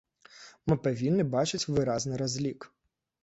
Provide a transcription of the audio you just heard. Мы павінны бачыць выразны разлік.